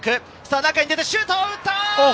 中に出てシュートを打った！